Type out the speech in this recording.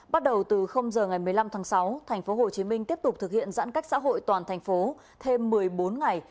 bắt đầu từ giờ ngày một mươi năm tháng sáu tp hcm tiếp tục thực hiện giãn cách xã hội toàn thành phố thêm một mươi bốn ngày